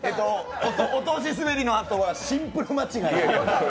お通しスベりのあとはシンプル間違い？